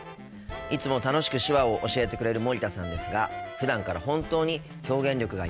いつも楽しく手話を教えてくれる森田さんですがふだんから本当に表現力が豊かなんです。